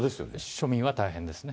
庶民は大変ですよね。